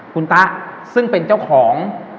คุณตะซึ่งเป็นเจ้าของ